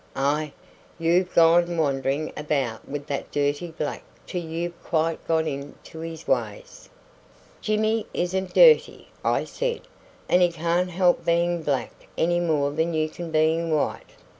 "Ah! you've gone wandering about with that dirty black till you've quite got into his ways." "Jimmy isn't dirty," I said; "and he can't help being black any more than you can being white."